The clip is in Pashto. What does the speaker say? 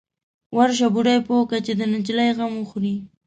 _ورشه، بوډۍ پوه که چې د نجلۍ غم وخوري.